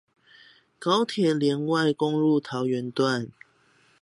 高鐵聯外公路桃園段